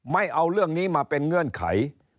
ไม่เอาเรื่องนี้มาเป็นเงื่อนไข